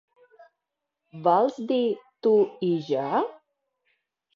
Vols dir tu i jo?